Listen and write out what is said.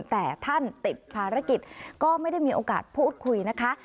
แต่ท่านติดภารกิจก็ไม่ได้มีโอกาสพูดคุยนะคะ